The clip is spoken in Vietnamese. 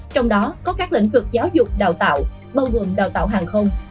trong đó có các lĩnh vực giáo dục đào tạo bao gồm đào tạo hàng không